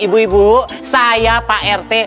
ibu ibu saya pak rt